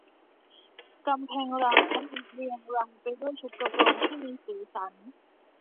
กำแพงร้านเรียงรายไปด้วยชุดกระโปรงที่มีสีสัน